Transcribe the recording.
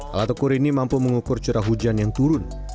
alat ukur ini mampu mengukur curah hujan yang turun